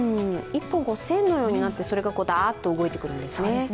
１本、線のようになって、それがだーっと動いてくるんですね。